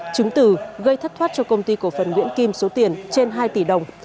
chứng từ gây thất thoát cho công ty cổ phần nguyễn kim số tiền trên hai tỷ đồng